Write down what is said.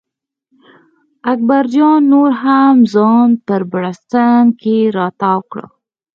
اکبر جان نور هم ځان په بړسټن کې را تاو کړ.